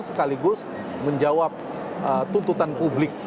sekaligus menjawab tuntutan publik